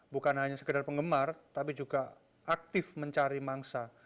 bukan hanya sekedar penggemar tapi juga aktif mencari mangsa